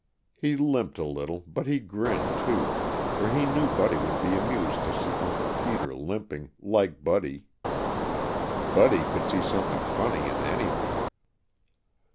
He limped a little, but he grinned, too, for he knew Buddy would be amused to see Uncle Peter limping "like Buddy." Buddy could see something funny in anything.